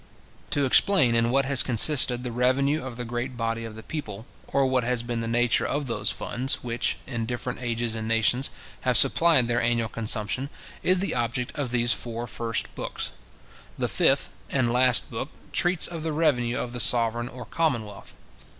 To explain in what has consisted the revenue of the great body of the people, or what has been the nature of those funds, which, in different ages and nations, have supplied their annual consumption, is the object of these four first books. The fifth and last book treats of the revenue of the sovereign, or commonwealth.